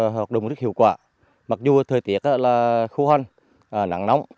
học đồng rất hiệu quả mặc dù thời tiết khô hoanh nắng nóng